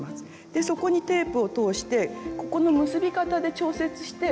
でそこにテープを通してここの結び方で調節して。